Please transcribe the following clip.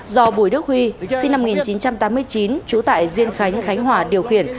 một mươi chín nghìn một trăm sáu mươi do bùi đức huy sinh năm một nghìn chín trăm tám mươi chín trú tại diên khánh khánh hòa điều khiển